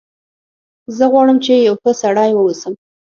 زه غواړم چې یو ښه سړی و اوسم